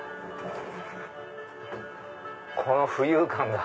この浮遊感が。